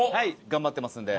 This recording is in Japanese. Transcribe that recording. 頑張ってますんで。